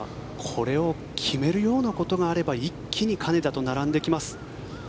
これを決めるようなことがあれば一気に金田と並んできます。